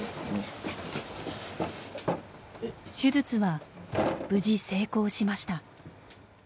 手術は無事成功しました。